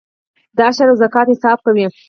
د عشر او زکات حساب کوئ؟